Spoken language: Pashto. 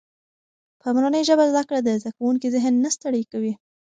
په مورنۍ ژبه زده کړه د زده کوونکي ذهن نه ستړی کوي.